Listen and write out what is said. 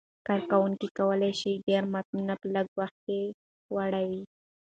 کاروونکي کولای شي ډېر متنونه په لږ وخت کې واړوي.